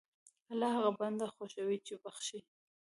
الله هغه بنده خوښوي چې بخښي.